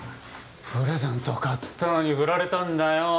プレゼント買ったのに振られたんだよ